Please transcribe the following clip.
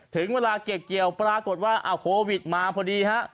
ถึงเวลาเก็บเกี่ยวปรากฏว่าโควิดมาพอดีฮะ